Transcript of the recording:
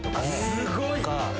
すごい！